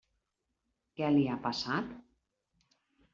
Què li ha passat?